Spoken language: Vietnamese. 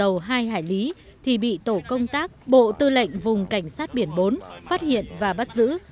đông nam gành dầu hai hải lý thì bị tổ công tác bộ tư lệnh vùng cảnh sát biển bốn phát hiện và bắt giữ